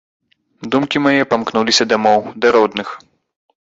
Думкі мае памкнуліся дамоў, да родных.